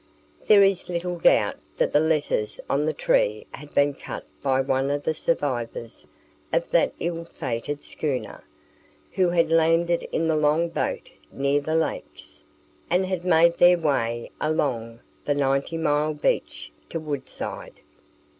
There is little doubt that the letters on the tree had been cut by one of the survivors of that ill fated schooner, who had landed in the long boat near the Lakes, and had made their way along the Ninety Mile beach to Woodside.